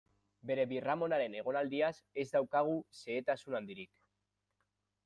Bere birramonaren egonaldiaz ez daukagu xehetasun handirik.